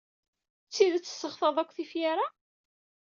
D tidet tesseɣtaḍ akk tifyar-a?